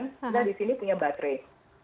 kita di sini punya baterai